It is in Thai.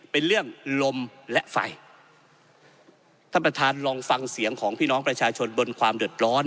เป็นเรื่องลมและไฟท่านประธานลองฟังเสียงของพี่น้องประชาชนบนความเดือดร้อน